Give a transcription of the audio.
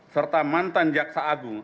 serta mantan jaksa agung